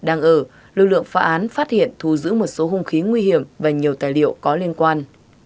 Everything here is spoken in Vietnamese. đang ở lưu lượng phá án phát hiện thu giữ một số hung khí nguy hiểm và nhiều tài liệu có liên quan